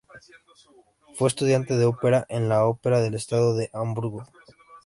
Fue estudiante de ópera en la Ópera del Estado de Hamburgo.